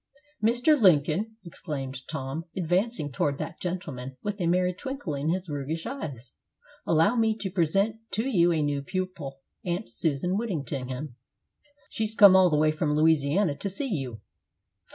"Mr. Lincoln," exclaimed Tom, advancing toward that gentleman, with a merry twinkle in his roguish eyes, "allow me to present to you a new pupil, Aunt Susan Whittingham; she has come all the way from Louisiana to see you."